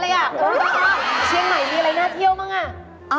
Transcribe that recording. เชียงใหม่มีอะไรน่าเที่ยวบ้างอ่ะ